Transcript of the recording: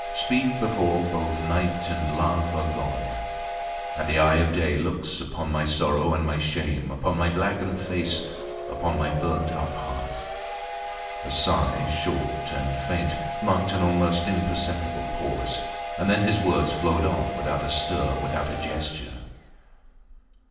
Speak before both night and love are gone and the eye of day looks upon my sorrow and my shame; upon my blackened face; upon my burnt up heart. A sigh, short and faint, marked an almost imperceptible pause, and then his words flowed on, without a stir, without a gesture.